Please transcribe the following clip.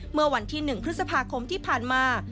เมื่อวันที่๑พฤษภาคมที่ผ่านมา